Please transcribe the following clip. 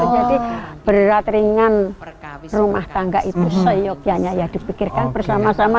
jadi berat ringan rumah tangga itu seyok ya ya ya dipikirkan bersama sama